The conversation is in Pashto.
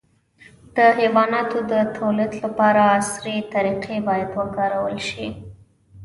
د حیواناتو د تولید لپاره عصري طریقې باید وکارول شي.